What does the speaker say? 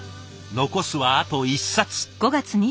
残すはあと１冊。